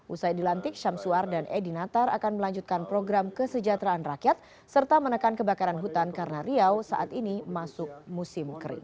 usai dilantik syamsuar dan edi natar akan melanjutkan program kesejahteraan rakyat serta menekan kebakaran hutan karena riau saat ini masuk musim kering